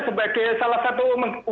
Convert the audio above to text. sebagai salah satu